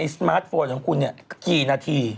สมาร์ทโฟนของคุณเนี่ยกี่นาที